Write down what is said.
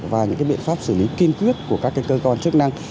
và những biện pháp xử lý kiên quyết của các cơ quan chức năng